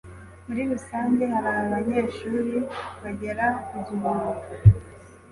Muri rusange hari abanyeshuri bagera ku gihumbi.